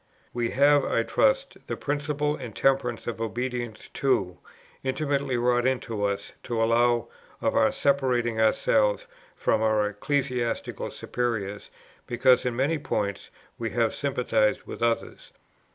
We have (I trust) the principle and temper of obedience too intimately wrought into us to allow of our separating ourselves from our ecclesiastical superiors because in many points we may sympathize with others.